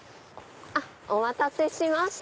お待たせしました。